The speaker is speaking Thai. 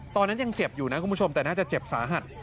ตอนนั้นยังเจ็บอยู่นะคุณผู้ชมแต่น่าจะเจ็บสาหัส